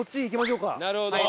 なるほど。